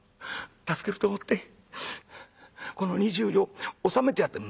助けると思ってこの２０両納めてやって」。